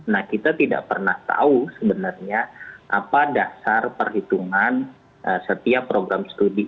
nah kita tidak pernah tahu sebenarnya apa dasar perhitungan setiap program studi